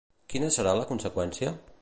Quina serà la conseqüència?